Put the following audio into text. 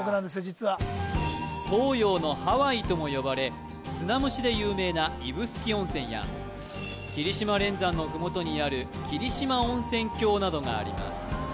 実は東洋のハワイとも呼ばれ砂むしで有名な指宿温泉や霧島連山のふもとにある霧島温泉郷などがあります